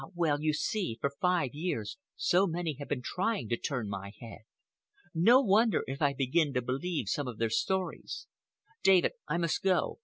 well, you see, for five years so many have been trying to turn my head. No wonder if I begin to believe some of their stories. David, I must go.